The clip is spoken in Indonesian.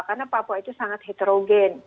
karena papua itu sangat heterogen